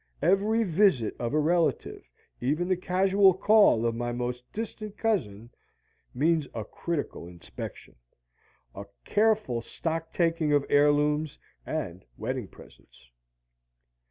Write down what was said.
Every visit of a relative, even the casual call of my most distant cousin, means a critical inspection, a careful stock taking of heirlooms and wedding presents.